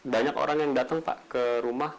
banyak orang yang datang pak ke rumah